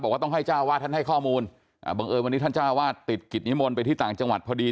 ต้องให้เจ้าวาดท่านให้ข้อมูลบังเอิญวันนี้ท่านเจ้าวาดติดกิจนิมนต์ไปที่ต่างจังหวัดพอดี